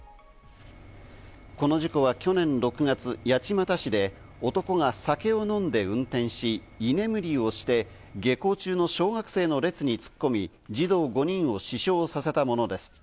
この事故は去年６月、八街市で男が酒を飲んでトラックを運転し、居眠りをして下校中の小学生の列に突っ込み、児童５人を死傷させたものです。